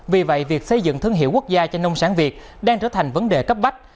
vì vậy việc xây dựng thương hiệu quốc gia cho nông sản việt đang trở thành vấn đề cấp bách